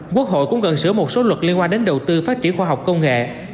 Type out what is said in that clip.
quốc hội cũng cần sửa một số luật liên quan đến đầu tư phát triển khoa học công nghệ